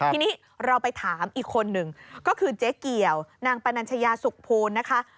ทีนี้เราไปถามอีกคนหนึ่งก็คือเจ๊เกี่ยวนางปนัญชยาสุขภูลนะคะ